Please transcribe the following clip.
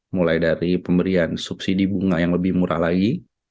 mulai dari pemberian subsidi bunga yang lebih murah lagi